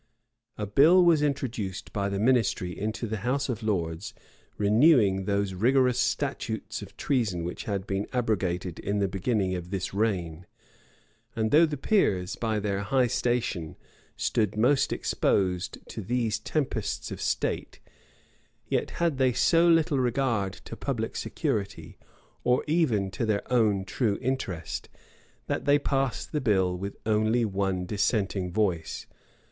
A bill was introduced by the ministry into the house of lords, renewing those rigorous statutes of treason which had been abrogated in the beginning of this reign; and though the peers, by their high station, stood most exposed to these tempests of state, yet had they so little regard to public security, or even to their own true interest, that they passed the bill with only one dissenting voice.